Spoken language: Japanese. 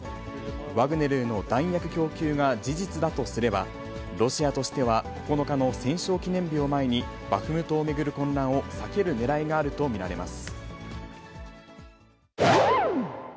ワグネルへの弾薬供給が事実だとすれば、ロシアとしては９日の戦勝記念日を前に、バフムトを巡る混乱を避けるねらいがあると見られます。